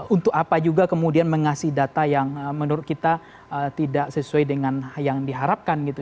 untuk apa juga kemudian mengasih data yang menurut kita tidak sesuai dengan yang diharapkan gitu